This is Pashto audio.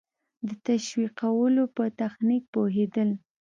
د تشویقولو په تخنیک پوهېدل.